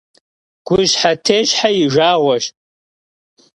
Guşşxue theşşxue yi jjağueş.